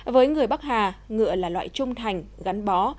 với người bắc hà ngựa là loại trung thành gắn bó